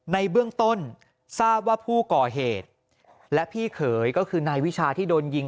ในเบื้องต้นทราบว่าผู้ก่อเหตุและพี่เขยก็คือนายวิชาที่โดนยิง